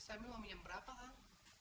si samuel mau pinjam berapa gan